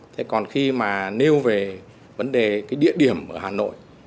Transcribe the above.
thế còn khi mà nêu về vấn đề cái địa điểm ở hà nội